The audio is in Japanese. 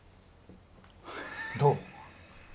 どう？